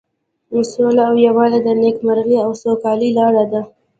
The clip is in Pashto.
سوله او یووالی د نیکمرغۍ او سوکالۍ لاره ده.